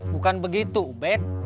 bukan begitu bet